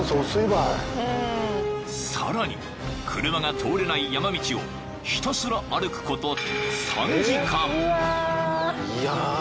［さらに車が通れない山道をひたすら歩くこと３時間］